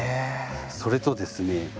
それとですね